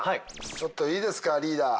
ちょっといいですかリーダー。